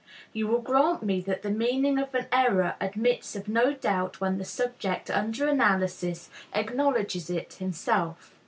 You will grant me that the meaning of an error admits of no doubt when the subject under analysis acknowledges it himself.